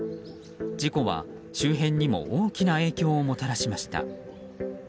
事故は、周辺にも大きな影響をもたらしました。